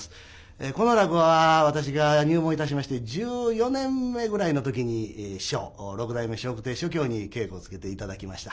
この落語は私が入門いたしまして１４年目ぐらいの時に師匠六代目笑福亭松喬に稽古をつけて頂きました。